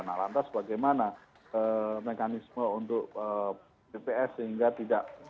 nah lantas bagaimana mekanisme untuk bps sehingga tidak